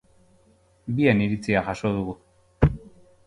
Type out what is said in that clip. Bien iritzia jaso dugu.